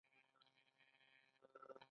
د ایران صابون او شامپو کیفیت لري.